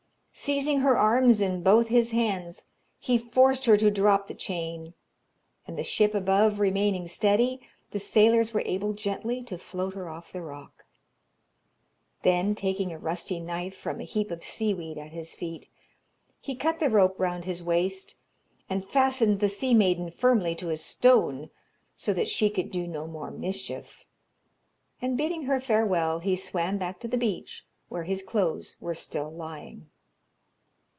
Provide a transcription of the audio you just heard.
Seizing her arms in both his hands, he forced her to drop the chain, and the ship above remaining steady, the sailors were able gently to float her off the rock. Then taking a rusty knife from a heap of seaweed at his feet, he cut the rope round his waist and fastened the sea maiden firmly to a stone, so that she could do no more mischief, and bidding her farewell, he swam back to the beach, where his clothes were still lying.